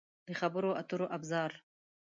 د خبرو اترو ابزار